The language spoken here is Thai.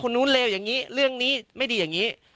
นู้นเลวอย่างนี้เรื่องนี้ไม่ดีอย่างนี้